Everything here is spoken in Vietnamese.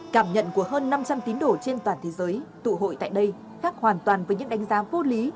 cảm nhận của hơn năm trăm linh tín đồ trên toàn thế giới tụ hội tại đây khác hoàn toàn với những đánh giá vô lý